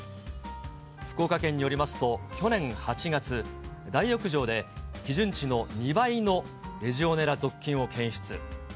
福岡県によりますと、去年８月、大浴場で基準値の２倍のレジオネラ属菌を検出。